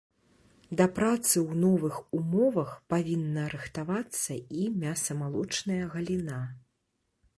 Да працы ў новых умовах павінна рыхтавацца і мяса-малочная галіна.